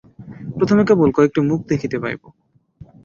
প্রথমে কেবল কয়েকটি মুখ দেখিতে পাইব।